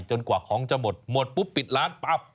กว่าของจะหมดหมดปุ๊บปิดร้านปั๊บ